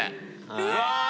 うわ！